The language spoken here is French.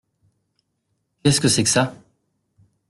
Qu’est-ce que c’est que ça !